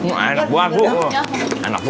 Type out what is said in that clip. enak buah bu